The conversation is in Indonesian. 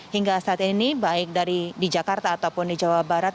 hingga saat ini baik dari di jakarta ataupun di jawa barat